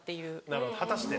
なるほど果たして。